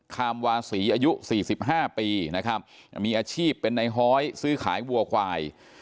คามวาศีอายุ๔๕ปีนะครับมีอาชีพเป็นในฮ้อยซื้อขายวัวควาย